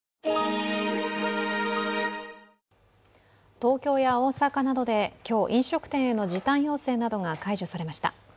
東京や大阪などで今日飲食店への時短要請などが解除されました。